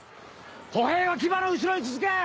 歩兵は騎馬の後ろに続け！